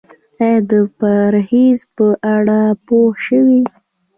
ایا د پرهیز په اړه پوه شوئ؟